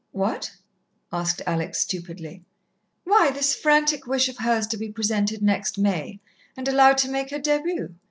"What?" asked Alex stupidly. "Why, this frantic wish of hers to be presented next May and allowed to make her début.